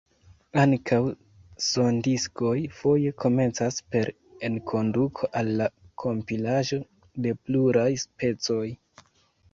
Ankaŭ sondiskoj foje komencas per enkonduko al la kompilaĵo de pluraj pecoj.